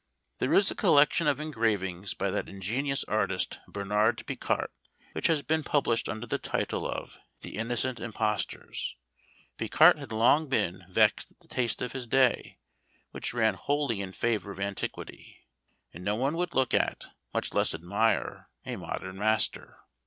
There is a collection of engravings by that ingenious artist Bernard Picart, which has been published under the title of The Innocent Impostors. Picart had long been vexed at the taste of his day, which ran wholly in favour of antiquity, and no one would look at, much less admire, a modern master.